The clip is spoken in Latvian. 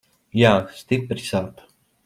Jā, stipri sāp.